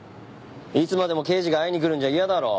いつまでも刑事が会いに来るんじゃ嫌だろ。